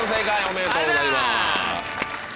ありがとうございます。